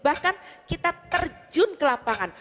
bahkan kita terjun ke lapangan